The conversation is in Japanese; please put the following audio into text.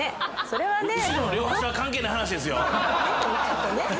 それはね。